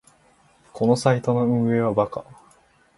このサイトの運営はバカ